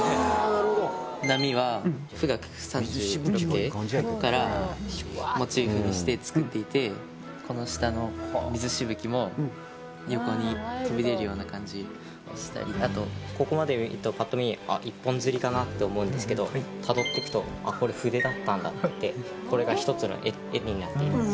なるほど波は「富嶽三十六景」からモチーフにして作っていてこの下の水しぶきも横に飛び出るような感じをしたりあとここまで見るとぱっと見一本釣りかなと思うんですけどたどっていくとあっこれ筆だったんだってこれが一つの絵になっています